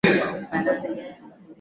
sana na kwa ajili ya rafiki wako tayari